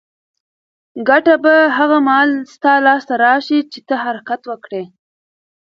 ګټه به هغه مهال ستا لاس ته راشي چې ته حرکت وکړې.